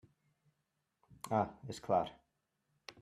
Ah, és clar.